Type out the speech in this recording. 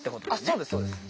そうですそうです。